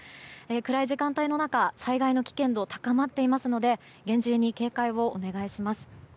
暗い時間帯の中災害の危険度が高まっていますので厳重に警戒をお願いします。